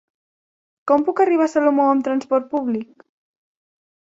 Com puc arribar a Salomó amb trasport públic?